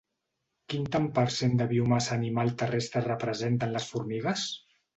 Quin tant per cent de biomassa animal terrestre representen les formigues?